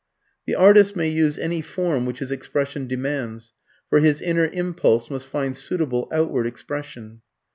The artist may use any form which his expression demands; for his inner impulse must find suitable outward expression.